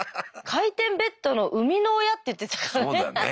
「回転ベッドの生みの親」って言ってたからね。